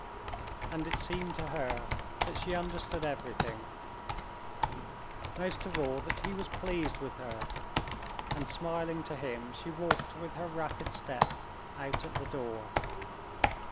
And it seemed to her that she understood everything, most of all, that he was pleased with her; and smiling to him, she walked with her rapid step out at the door.